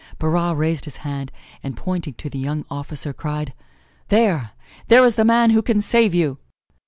Barras raised his hand and pointing to the young officer cried, "There, there is the man who can save you!"